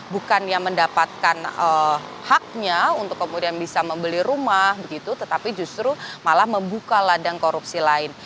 bukannya mendapatkan haknya untuk kemudian bisa membeli rumah begitu tetapi justru malah membuka ladang korupsi lain